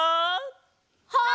はい！